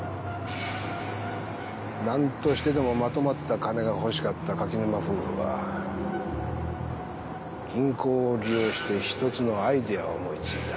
なんとしてでもまとまった金が欲しかった垣沼夫婦は銀行を利用してひとつのアイデアを思いついた。